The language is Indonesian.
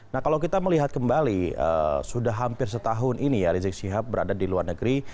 nah kalau kita melihat kembali sudah hampir setahun ini ya rizik syihab berada di luar negeri